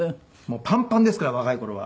パンパンですから若い頃は。